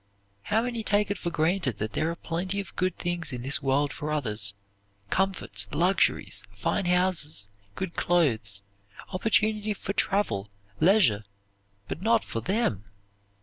How many take it for granted that there are plenty of good things in this world for others, comforts, luxuries, fine houses, good clothes, opportunity for travel, leisure, but not for them!